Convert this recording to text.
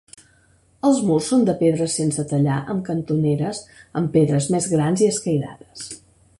Els murs són de pedra sense tallar amb cantoneres amb pedres més grans i escairades.